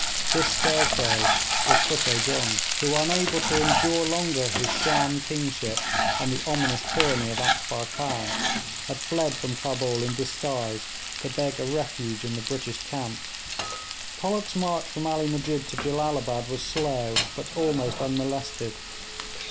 This scarecrow was Futteh Jung, who, unable to endure longer his sham kingship and the ominous tyranny of Akbar Khan, had fled from Cabul in disguise to beg a refuge in the British camp. Pollock's march from Ali Musjid to Jellalabad was slow, but almost unmolested.